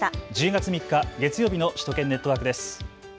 １０月３日月曜日の首都圏ネットワークです。